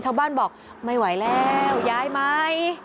ชาวบ้านบอกไม่ไหวแล้วย้ายไหม